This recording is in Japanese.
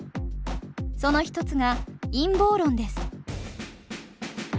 その一つが「陰謀論」です。